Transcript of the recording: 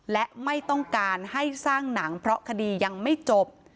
และไม่ต้องการให้สร้างหนังเพราะคดียังไม่จบ